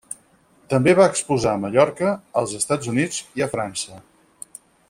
També va exposar a Mallorca, als Estats Units i a França.